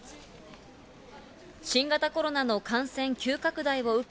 新型コロナの感染急拡大を受け、